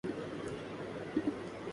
خدا نے آج تک اس قوم کی حالت نہیں بدلی